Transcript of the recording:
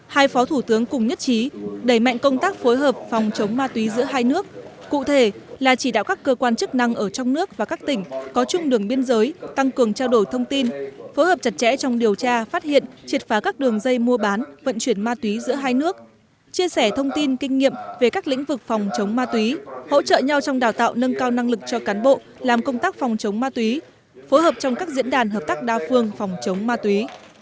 hai phó thủ tướng cùng nhất trí đẩy mạnh công tác phối hợp phòng chống ma túy giữa hai nước cụ thể là chỉ đạo các cơ quan chức năng ở trong nước và các tỉnh có chung đường biên giới tăng cường trao đổi thông tin phối hợp chặt chẽ trong điều tra phát hiện triệt phá các đường dây mua bán vận chuyển ma túy giữa hai nước chia sẻ thông tin kinh nghiệm về các lĩnh vực phòng chống ma túy hỗ trợ nhau trong đào tạo nâng cao năng lực cho cán bộ làm công tác phòng chống ma túy phối hợp trong các diễn đàn hợp tác đa phương phòng chống ma túy